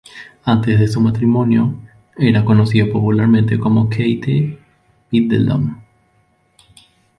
Antes de su matrimonio, era conocida popularmente como Kate Middleton.